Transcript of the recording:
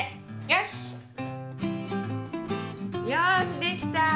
よしできた！